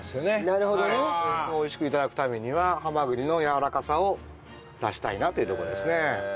なるべく美味しく頂くためにはハマグリのやわらかさを出したいなっていうとこですね。